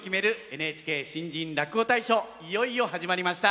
ＮＨＫ新人落語大賞いよいよ始まりました。